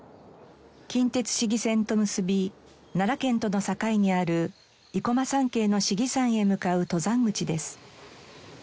近鉄信貴線と結び奈良県との境にある生駒山系の信貴山へ向かう登山口です。